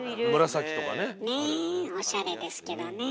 紫とかね。ねおしゃれですけどね。